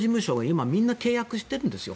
今、みんな契約してるんですよ。